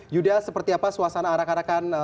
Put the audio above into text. yuda seperti apa suasana arak arakan